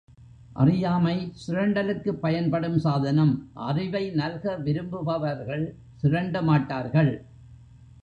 அறியாமை சுரண்டலுக்குப் பயன்படும் சாதனம் அறிவை நல்க விரும்புபவர்கள் சுரண்ட மாட்டார்கள்.